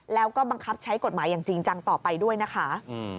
แล้วก็บังคับใช้กฎหมายอย่างจริงจังต่อไปด้วยนะคะ